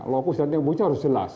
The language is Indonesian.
lokus dan yang buka harus jelas